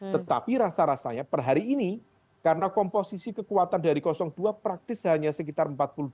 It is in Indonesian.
tetapi rasa rasanya per hari ini karena komposisi kekuatan dari dua praktis hanya sekitar empat puluh dua